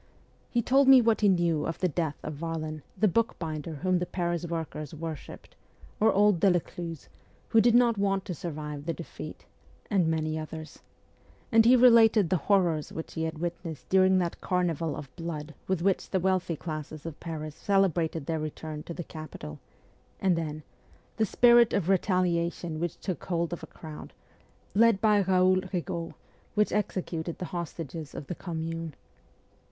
He told me what he knew of the death of Varlin, the bookbinder whom the Paris workers worshipped, or old Delecluze, who did not want to survive the defeat, and many others ; and he related the horrors which he had witnessed during that carnival of blood with which the wealthy classes of Paris celebrated their return to the capital, and then the spirit of retaliation which took hold of a crowd, led by Kaoul Rigault, which executed the hostages of the Commune.